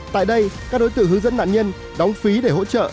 tại đây các đối tượng hướng dẫn nạn nhân đóng phí để hỗ trợ